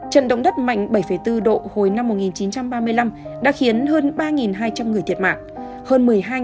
trận động đất mạnh bảy bốn độ hồi năm một nghìn chín trăm ba mươi năm đã khiến hơn ba hai trăm linh người thiệt mạng